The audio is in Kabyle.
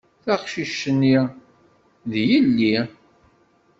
Taqcict-nni, d yelli.